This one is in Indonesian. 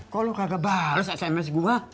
kok lu kagak bales sms gua